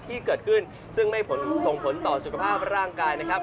ที่เกิดขึ้นซึ่งไม่ส่งผลต่อสุขภาพร่างกายนะครับ